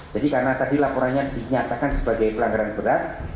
jadi karena tadi laporannya dinyatakan sebagai pelanggaran berat